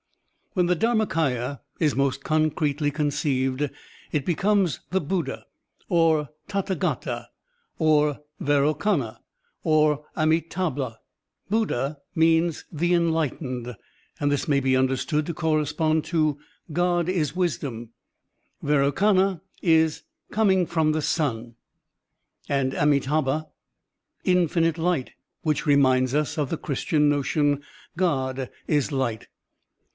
When the DharmaMya is most concretely conceived it becomes the Buddha, or Tathdgata, or Vairochana, or Amitdbha. Buddha means "the enlightened," and this may be tmderstood to correspond to "God is wisdom." Vairochana is "coming from the sun," and Amit5,bha, "infinite light," which reminds us of the Chris tian notion, "(rod is light."